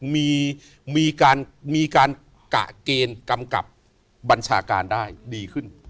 มีการกะเกณฑ์กำกับบัญชาการได้ดีขึ้น